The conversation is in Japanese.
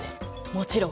もちろん。